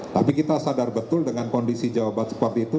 tapi kita sadar betul dengan kondisi jawa barat seperti itu